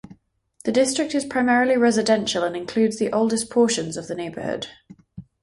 The district is primarily residential and includes the oldest portions of the neighborhood.